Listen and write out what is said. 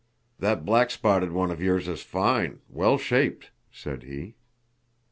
"That black spotted one of yours is fine—well shaped!" said he.